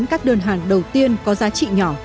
các đơn hàng đầu tiên có giá trị nhỏ